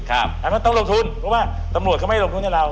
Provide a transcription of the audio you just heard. อันนั้นต้องลงทุนเพราะว่าตำรวจเขาไม่ลงทุนให้เรา